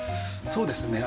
そうですね。